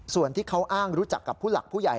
ส่วนที่เขาอ้างรู้จักกับผู้หลักผู้ใหญ่